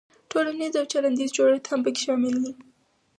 تولنیز او چلندیز جوړښت هم پکې شامل دی.